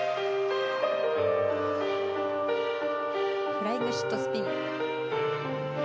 フライングシットスピン。